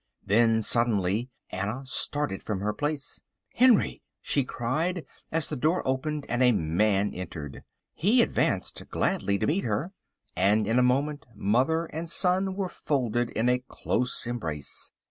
Then suddenly Anna started from her place. "Henry!" she cried as the door opened and a man entered. He advanced gladly to meet her, and in a moment mother and son were folded in a close embrace.